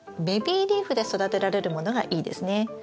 ベビーリーフで育てられるものがいいですね。